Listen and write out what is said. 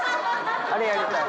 あれやりたい。